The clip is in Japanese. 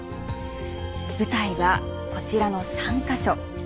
舞台はこちらの３か所。